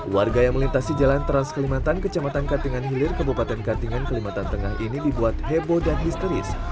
warga yang melintasi jalan transkelimatan kecamatan katingan hilir kabupaten katingan kelimatan tengah ini dibuat heboh dan histeris